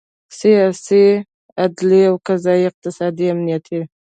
سیاسي، عدلي او قضایي، اقتصادي، امنیتي